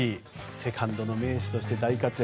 セカンドの名手として大活躍。